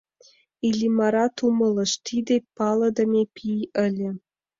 Иллимарат умылыш — тиде палыдыме пий ыле.